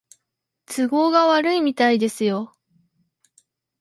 都合が悪いみたいですよ